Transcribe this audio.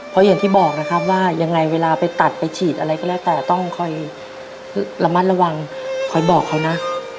เพราะอย่างที่บอกนะครับว่ายังไงเวลาไปตัดไปฉีดอะไรก็แล้วแต่ต้องคอยระมัดระวังคอยบอกเขานะ